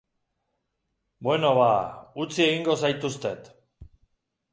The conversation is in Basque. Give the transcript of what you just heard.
Bueno, ba, utzi egingo zaituztet.